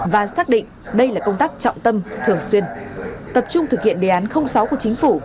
và xác định đây là công tác trọng tâm thường xuyên tập trung thực hiện đề án sáu của chính phủ